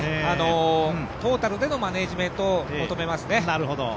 トータルでのマネジメントを求めますね。